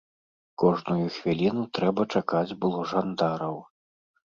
Кожную хвіліну трэба чакаць было жандараў.